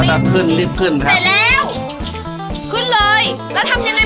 ถ้าเขาจะขึ้นลิบขึ้นครับเสร็จแล้วขึ้นเลยแล้วทำยังไง